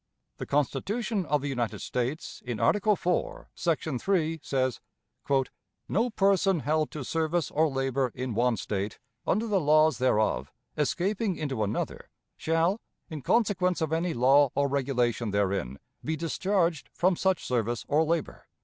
The Constitution of the United States in Article IV, section 3, says: "No person held to service or labor in one State, under the laws thereof, escaping into another, shall, in consequence of any law or regulation therein, be discharged from such service or labor."